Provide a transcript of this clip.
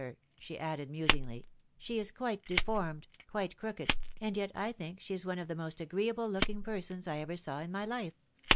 her/' she added musingly, <c she is quite deformed, quite crooked, and yet I think she is one of the most agreeable looking persons I ever saw in my life."